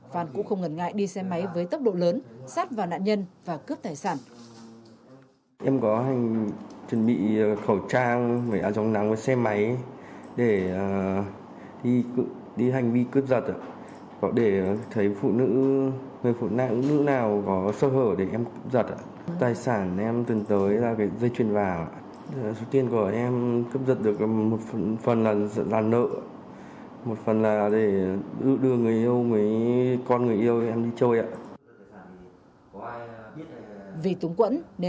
phan cũng không ngần ngại đi xe máy với tốc độ lớn sát vào nạn nhân và cướp tài sản